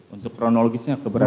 untuk kronologisnya keberatan